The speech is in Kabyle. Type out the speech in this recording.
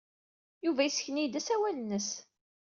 Yuba yessken-iyi-d asawal-nnes.